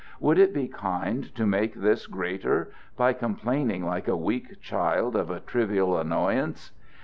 Would it be kind to make this greater by complaining like a weak child of a trivial annoyance?